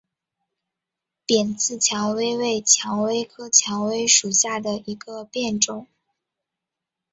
扁刺蔷薇为蔷薇科蔷薇属下的一个变种。